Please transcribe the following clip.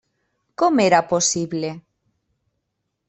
Com era possible?